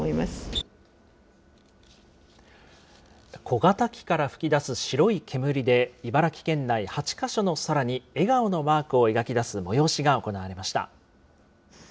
小型機から吹き出す白い煙で、茨城県内８か所の空に笑顔のマークを描き出す催しが行われました。